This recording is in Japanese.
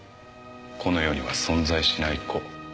この世には存在しない子。